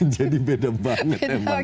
jadi beda banget emang